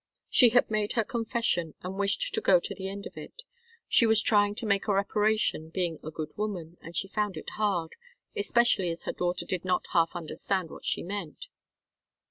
She had made her confession and wished to go to the end of it. She was trying to make a reparation, being a good woman, and she found it hard, especially as her daughter did not half understand what she meant.